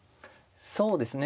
そうですね。